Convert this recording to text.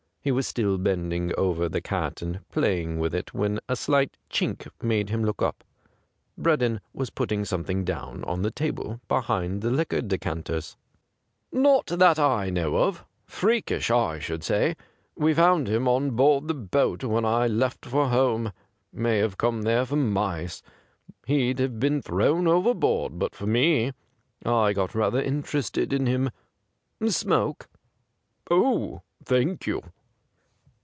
He was still bending over the cat and play ing with it when a slight chink made him look up. Breddon was putting something down on the table behind the liquor decanters. 'Any particular breed.^' the Arch deacon asked. ' Not that I know of. Freakish, I should say. We found him on board the boat when I left for home — may have come there after mice. He'd have been thrown overboard but for me. I got rather interested in him. Smoke .'''' Oh, thank you.'